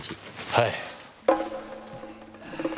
はい。